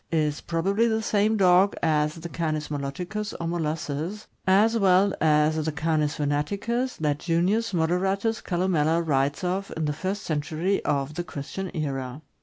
is probably the same dog as the Canis moloticus, or molossus, as well as the Canis venaticus that Junius Moderatus Calnmella writes of in the first century of the Christian era.